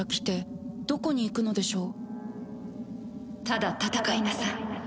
ただ戦いなさい。